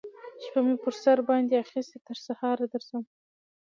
شپه می پر سر باندی اخیستې تر سهاره درځم